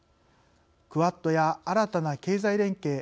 クアッドや新たな経済連携